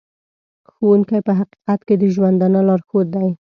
ښوونکی په حقیقت کې د ژوندانه لارښود دی.